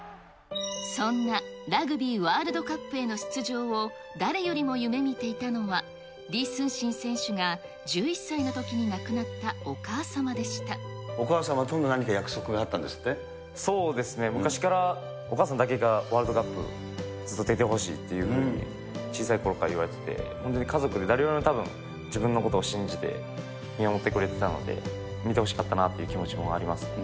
そんなラグビーワールドカップへの出場を誰よりも夢みていたのは、李承信選手が１１歳のときお母さまとの何か約束があっそうですね、昔からお母さんだけがワールドカップずっと出てほしいっていうふうに、小さいころから言われてて、本当に家族で誰よりもたぶん自分のことを信じて、見守ってくれてたので、見てほしかったなという気持ちもありますね。